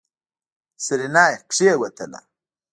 سېرېنا کېوتله.